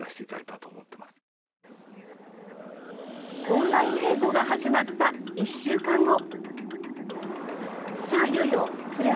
オンライン稽古が始まった１週間後。